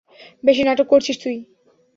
বেশি নাটক করছিস তুই।